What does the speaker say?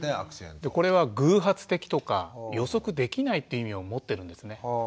これは偶発的とか予測できないっていう意味を持ってるんですね。